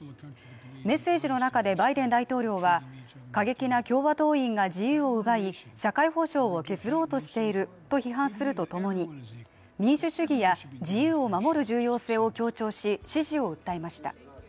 メッセージの中でバイデン大統領は過激な共和党員が自由を奪い、社会保障を削ろうとしていると批判するとともに、民主主義や自由を守る重要性を強調し、支持を訴えました。